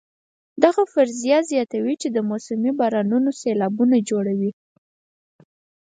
دغه فرضیه زیاتوي چې موسمي بارانونه سېلابونه جوړوي.